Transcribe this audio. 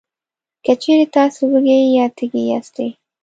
که چېرې تاسې وږي یا تږي یاستی،